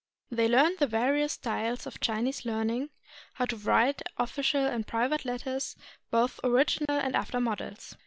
They learned the various styles of Chinese learning, how to write official and private letters, both original and after models.